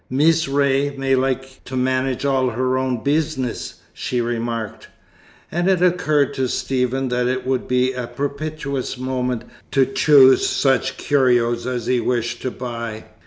"Mees Ray may like to manage all her own beesiness," she remarked. And it occurred to Stephen that it would be a propitious moment to choose such curios as he wished to buy.